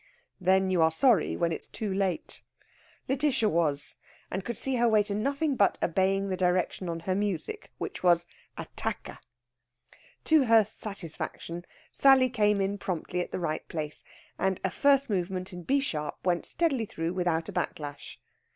Then you are sorry when it's too late. Lætitia was, and could see her way to nothing but obeying the direction on her music, which was attacca. To her satisfaction, Sally came in promptly in the right place, and a first movement in B sharp went steadily through without a back lash.